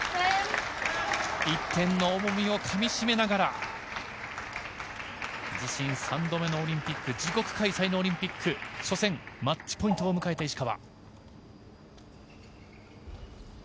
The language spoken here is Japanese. １点の重みをかみしめながら自身３度目のオリンピック自国開催のオリンピック初戦、マッチポイントを迎えた石川。